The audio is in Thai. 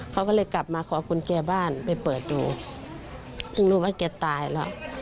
เขาก็เลยกลับมาขอกุญแจบ้านไปเปิดดูเพิ่งรู้ว่าแกตายแล้ว